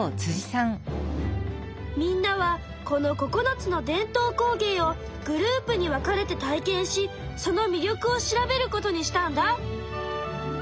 みんなはこのここのつの伝統工芸をグループに分かれて体験しその魅力を調べることにしたんだ。